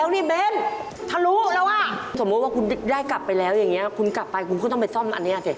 สมมุติว่าคุณได้กลับไปแล้วอย่างนี้คุณกลับไปคุณก็ต้องไปซ่อมอันนี้อ่ะสิ